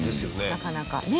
なかなかね